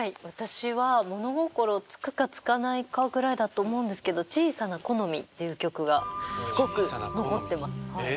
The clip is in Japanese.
私は物心つくかつかないかぐらいだと思うんですけど「小さな木の実」っていう曲がすごく残ってます。